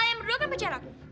yang berdua kan pacar aku